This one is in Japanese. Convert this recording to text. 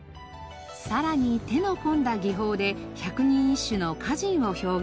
さらに手の込んだ技法で百人一首の歌人を表現。